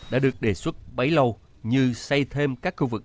đã được đề xuất bấy lâu như xây thêm các khu vực